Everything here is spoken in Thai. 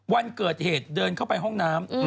วันเกิดเหตุเดินเข้าไปห้องน้ำ